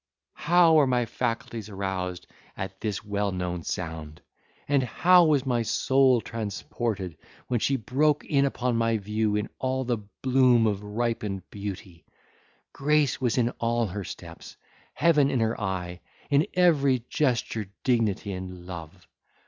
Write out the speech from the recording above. How were my faculties aroused at this well known sound! and how was my soul transported when she broke in upon my view in all the bloom of ripened beauty! Grace was in all her steps, heaven in her eye, in every gesture dignity and love!